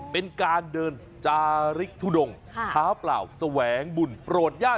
เป็นการเดินจาริกทุดงเท้าเปล่า